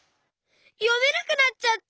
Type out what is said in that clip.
よめなくなっちゃった！